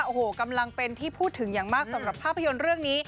โอ้โหกำลังเป็นที่พูดถึงอย่างมากสำหรับภาพยนตร์เรื่องนี้